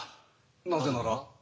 なぜなら？